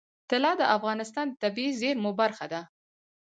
طلا د افغانستان د طبیعي زیرمو برخه ده.